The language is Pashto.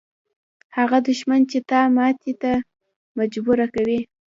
هغه دښمن چې تا ماتې ته مجبوره کوي.